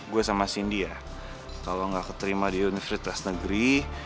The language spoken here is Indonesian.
gue sama cindy ya kalau nggak keterima di universitas negeri